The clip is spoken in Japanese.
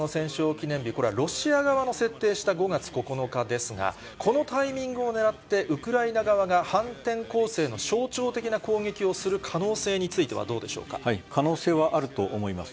記念日、これはロシア側の設定した５月９日ですが、このタイミングを狙って、ウクライナ側がの象徴的な攻撃をする可能性についてはどうでし可能性はあると思います。